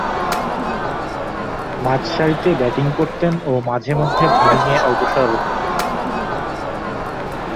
মূলতঃ মাঝারিসারিতে ব্যাটিং করতেন ও মাঝে-মধ্যে বোলিংয়ে অগ্রসর হতেন।